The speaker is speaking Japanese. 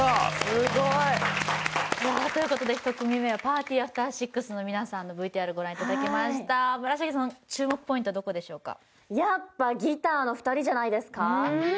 すごい！ということで１組目はＰＡＲＴＹＡＦＴＥＲＳＩＸの皆さんのＶＴＲご覧いただきました村重さん注目ポイントはどこでしょうか？